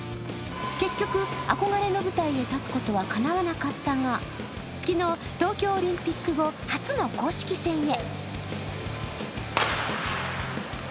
結局、憧れの舞台に立つことはかなわなかったが、昨日、東京オリンピック後、初の公式戦へ。